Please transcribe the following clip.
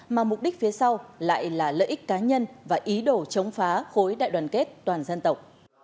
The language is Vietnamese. mà mục đích phía sau lại là lợi ích cá nhân và ý đồ chống phá khối đại đoàn kết toàn dân tộc